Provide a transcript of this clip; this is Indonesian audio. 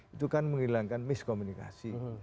itu kan menghilangkan miskomunikasi